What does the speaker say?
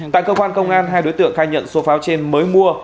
tại cơ quan công an hai đối tượng khai nhận số pháo trên mới mua